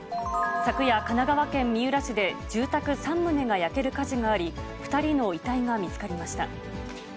昨夜、神奈川県三浦市で、住宅３棟が焼ける火事があり、２人の遺体が見つかりました。